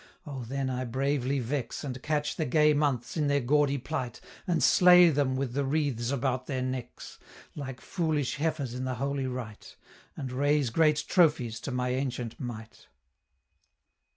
O then I bravely vex And catch the gay Months in their gaudy plight, And slay them with the wreaths about their necks, Like foolish heifers in the holy rite, And raise great trophies to my ancient might."